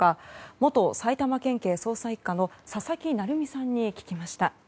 元埼玉県警捜査１課の佐々木成三さんに聞きました。